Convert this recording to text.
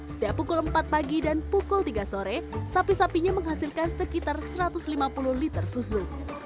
setiap pukul empat pagi dan pukul tiga sore sapi sapinya menghasilkan sekitar satu ratus lima puluh liter susu